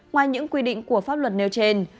ngoài những quy định của pháp luật nêu trên